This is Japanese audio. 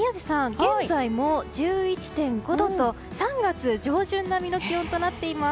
現在も１１．５度と３月上旬並みの気温となっています。